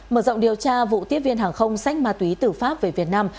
mở rộng điều tra vụ tiếp viên hàng không sách ma túy tử pháp về việt nam